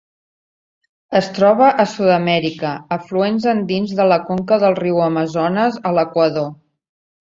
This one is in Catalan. Es troba a Sud-amèrica: afluents andins de la conca del riu Amazones a l'Equador.